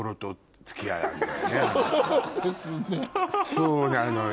そうなのよ。